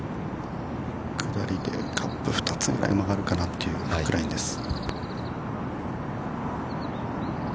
◆下りで、カップ２つぐらい曲がるかなというフックラインです。